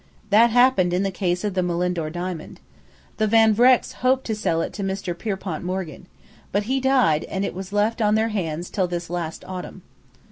That happened in the case of the Malindore diamond. The Van Vrecks hoped to sell it to Mr. Pierpont Morgan. But he died, and it was left on their hands till this last autumn."